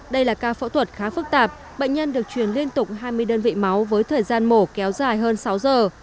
đây là ca phẫu thuật khá phức tạp bệnh nhân được truyền liên tục hai mươi đơn vị máu với thời gian mổ kéo dài hơn sáu giờ